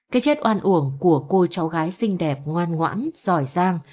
cái chết oan uổng của cô cháu gái xinh đẹp ngoan ngoãn giỏi giang